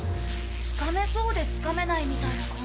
つかめそうでつかめないみたいな感じがする。